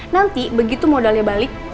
nanti begitu modalnya balik